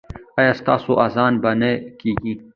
ایا ستاسو اذان به نه کیږي؟